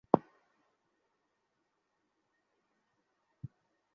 বিশাল কাজ করেছ, সংগ্রাম এবং শেরশাহ।